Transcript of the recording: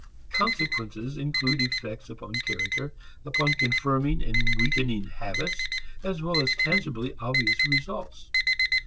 Consequences include effects upon character, upon confirming and weakening habits, as well as tangibly obvious results.